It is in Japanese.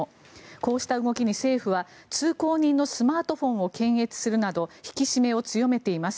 こうした動きに政府は通行人のスマートフォンを検閲するなど引き締めを強めています。